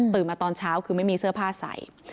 มาตอนเช้าคือไม่มีเสื้อผ้าใส่